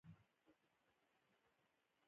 د چاریکار ښار د پروان مرکز دی